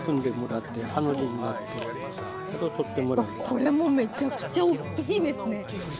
これもめちゃくちゃ大きいですね。